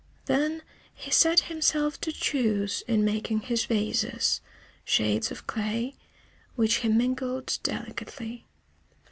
Then he set himself to choose, in making his vases, shades of clay, which he mingled delicately.